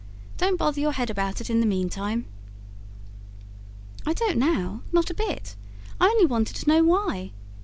Don't bother your head about it in the meantime." "I don't now not a bit. I only wanted to know why.